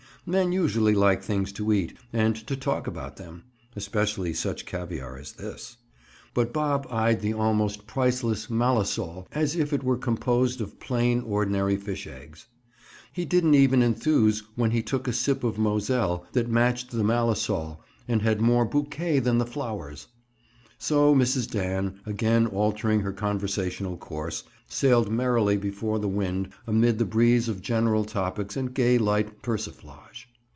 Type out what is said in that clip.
Men usually like things to eat, and to talk about them, especially such caviar as this. But Bob eyed the almost priceless Malasol as if it were composed of plain, ordinary fish eggs. He didn't even enthuse when he took a sip of Moselle that matched the Malasol and had more "bouquet" than the flowers. So Mrs. Dan, again altering her conversational course, sailed merrily before the wind amid the breeze of general topics and gay light persiflage.